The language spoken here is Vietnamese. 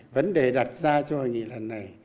vấn đề đặt ra cho hội nghị lần này